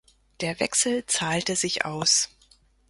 Der Wechsel zahlte sich aus.